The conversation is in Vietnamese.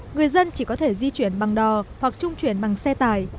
người dân chỉ có thể di chuyển bằng đò hoặc trung chuyển bằng xe tải